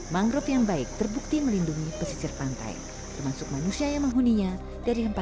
mangrove yang baik terbukti melindungi pesisir pantai termasuk manusia yang menghuninya dari hempasan tsunami dan angin badai